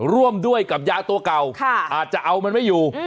ร่วมด้วยกับยาตัวเก่าอาจจะเอามันไม่อยู่